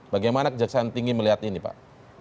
bagaimana kejaksaan tinggi melihat ini pak